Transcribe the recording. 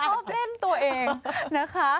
ชอบเล่นตัวเองนะคะ